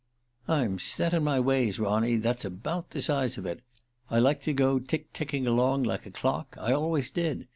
"I'm set in my ways, Ronny, that's about the size of it; I like to go tick ticking along like a clock. I always did.